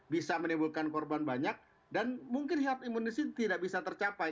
bisa menimbulkan korban banyak dan mungkin herd immunisasi tidak bisa tercapai